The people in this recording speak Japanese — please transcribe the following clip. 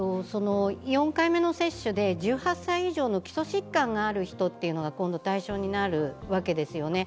４回目の接種で１８歳以上の基礎疾患がある人が今度対象になるわけですよね。